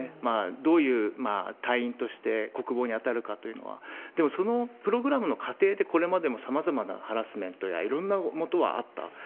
どういう隊員として国防に当たるかというのは、でも、そのプログラムの過程でこれまでもさまざまなハラスメントや、いろんなもとはあった。